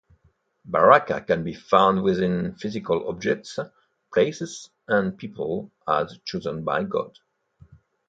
Baraka can be found within physical objects, places, and people, as chosen by God.